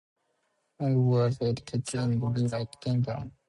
Nand was educated in the United Kingdom.